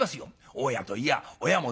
大家といや親も同様。